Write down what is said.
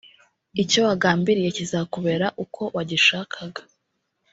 icyo wagambiriye kizakubera uko wagishakaga